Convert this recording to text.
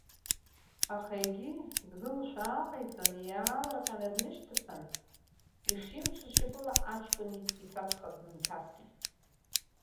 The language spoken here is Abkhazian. Аха егьи, дгылошәа ааҟеиҵан, иаалырҟьаны днышьҭыԥан, ишимчыз шьапыла аҷкәын ицацха дынҭасит.